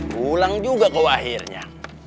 pulang juga kok akhirnya